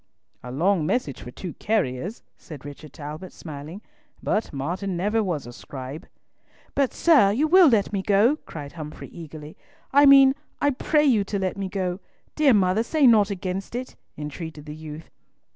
"A long message for two carriers," said Richard Talbot, smiling, "but Martin never was a scribe!" "But, sir, you will let me go," cried Humfrey, eagerly. "I mean, I pray you to let me go. Dear mother, say nought against it," entreated the youth.